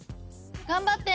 頑張って！